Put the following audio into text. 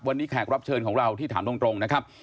วันนี้แขกรับเชิญของเราที่ถามตรงนะครับ